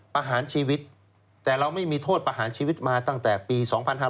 ประหารชีวิตแต่เราไม่มีโทษประหารชีวิตมาตั้งแต่ปี๒๕๕๙